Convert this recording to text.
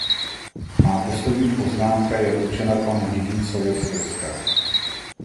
Má poslední poznámka je určena panu Higginsovi z Irska.